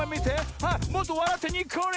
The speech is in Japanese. あっもっとわらってにっこり！